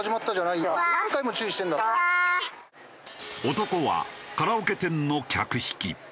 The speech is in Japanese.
男はカラオケ店の客引き。